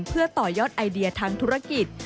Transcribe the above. เพื่อต่อยอดไอเดียทางธุรกิจ